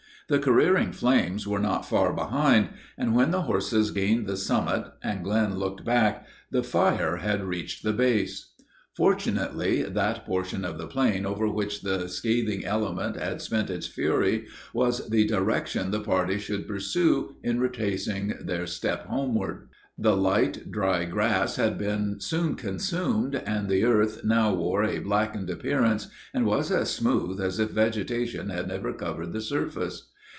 The careering flames were not far behind, and, when the horses gained the summit and Glenn looked back, the fire had reached the base! Fortunately, that portion of the plain over which the scathing element had spent its fury, was the direction the party should pursue in retracing their way homeward. The light, dry grass had been soon consumed, and the earth now wore a blackened appearance, and was as smooth as if vegetation had never covered the surface.